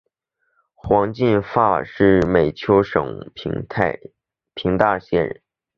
黄晋发是美湫省平大县人。